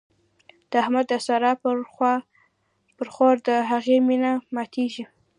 د احمد د سارا پر خور د هغې مينه ماتېږي.